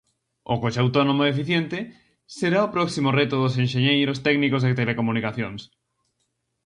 O coche autónomo e eficiente será o próximo reto dos enxeñeiros técnicos de telecomunicacións.